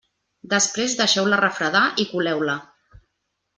Després deixeu-la refredar i coleu-la.